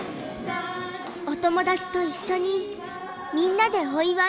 お友だちと一緒にみんなでお祝い。